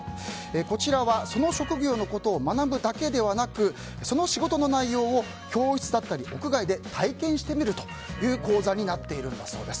こちらは、その職業のことを学ぶだけでなくその仕事の内容を教室だったり屋外で体験してみるという講座になっているんだそうです。